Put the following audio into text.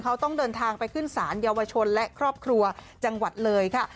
เขาต้องเดินทางไปขึ้นศาลเยาวชนและครอบครัวจังหวัดเลยค่ะ